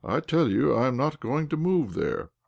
" I tell you I am not going to move there."